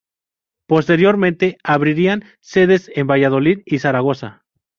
Posteriormente abrirían sedes en Valladolid y Zaragoza.